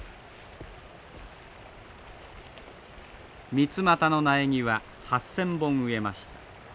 ミツマタの苗木は８，０００本植えました。